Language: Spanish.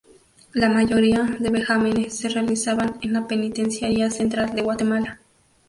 La mayoría de vejámenes se realizaban en la Penitenciaría Central de Guatemala.